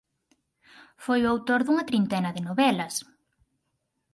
Foi o autor dunha trintena de novelas.